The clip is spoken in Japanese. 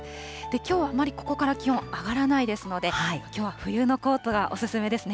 きょうはあまりここから気温上がらないですので、きょうは冬のコートがお勧めですね。